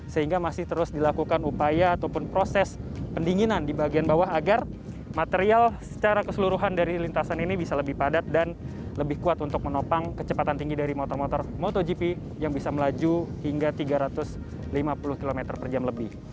sehingga masih terus dilakukan upaya ataupun proses pendinginan di bagian bawah agar material secara keseluruhan dari lintasan ini bisa lebih padat dan lebih kuat untuk menopang kecepatan tinggi dari motor motor motogp yang bisa melaju hingga tiga ratus lima puluh km per jam lebih